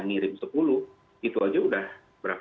ngirim sepuluh itu saja sudah berapa